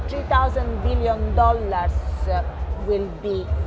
lebih dari tiga juta dolar